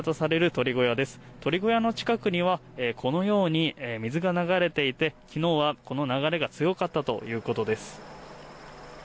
鳥小屋の近くには水が流れていて昨日は、この流れが強かったということです。